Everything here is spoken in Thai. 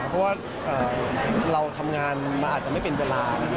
เพราะว่าเราทำงานมาอาจจะไม่เป็นเวลา